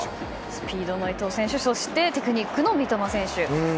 スピードの伊東選手そしてテクニックの三笘選手。